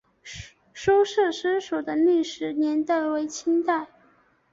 苏氏私塾的历史年代为清代。